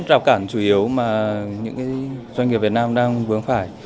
rào cản chủ yếu mà những doanh nghiệp việt nam đang vướng phải